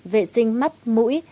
vệ sinh mắt mũi